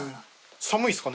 寒いですか？